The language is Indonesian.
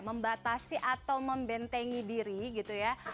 membatasi atau membentengi diri gitu ya